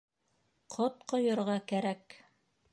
Ҡот ҡойорға кәрәк.